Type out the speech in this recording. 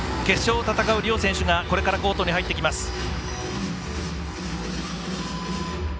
決勝を戦う両選手がこれからコートに入ってきます。